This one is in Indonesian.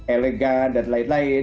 elegan dan lain lain